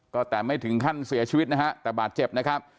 ก็แต่ไม่ถึงขั้นเสียชีวิตนะฮะแต่บาดเจ็บนะครับ